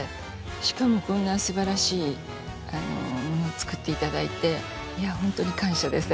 しかもこんな素晴らしいものを作って頂いていやホントに感謝です。